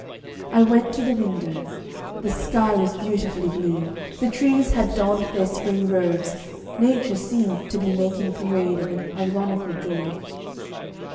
I went to the window. The sky was beautifully blue; the trees had donned their spring robes; nature seemed to be making parade of an ironical joy.